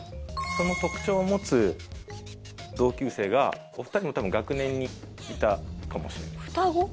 その特徴を持つ同級生がお二人も多分学年にいたかもしれない。